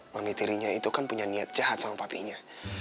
mami tirinya itu kan punya niat jahat sama papinya